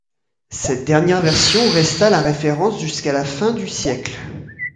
Cette dernière version resta la référence jusqu'à la fin du siècle.